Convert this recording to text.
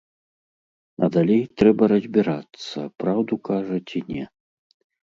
А далей трэба разбірацца, праўду кажа ці не.